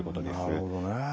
なるほどね。